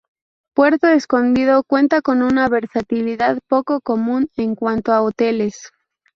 Puerto Escondido cuenta con una versatilidad poco común en cuanto a hoteles.